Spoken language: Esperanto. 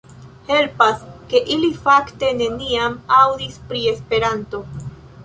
Helpas, ke ili fakte neniam aŭdis pri Esperanto.